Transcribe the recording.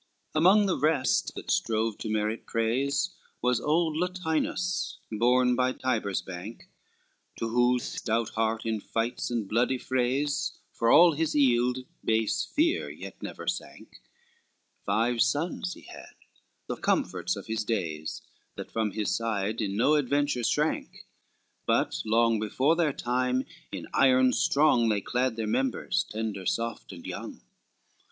XXVII Among the rest that strove to merit praise, Was old Latinus, born by Tiber's bank, To whose stout heart in fights and bloody frays, For all his eild, base fear yet never sank; Five sons he had, the comforts of his days, That from his side in no adventure shrank, But long before their time, in iron strong They clad their members, tender, soft and young.